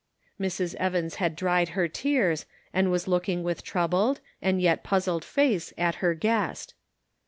Mrs. Evans had dried her tears, and was looking with a troubled, and yet puzzled face at her guest.